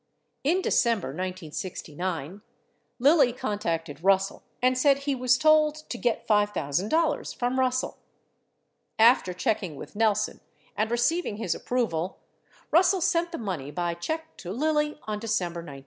21 In December 1969, Lilly contacted Russell and said he was told to get $5,000 from Russell. After checking with Nelson and receiving his approval, Russell sent the money by check to Lilly on December 19.